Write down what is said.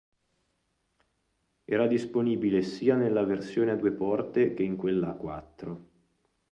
Era disponibile sia nella versione a due porte che in quella a quattro.